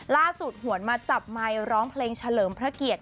หวนมาจับไมค์ร้องเพลงเฉลิมพระเกียรติ